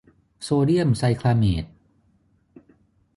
โซเดียมไซคลาเมต